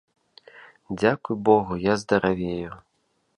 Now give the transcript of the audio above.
Дзякуй богу, я здаравею.